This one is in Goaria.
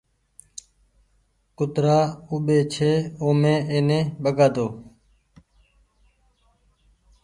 مينٚ ڪترآ اوٻي ڇي اومي ايني ٻگآۮو